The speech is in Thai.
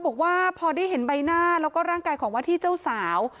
บอกว่าพอได้เห็นใบหน้าแล้วก็ร่างกายของว่าที่เจ้าสาว